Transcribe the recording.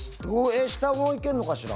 下もいけるのかしら？